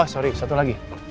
oh sorry satu lagi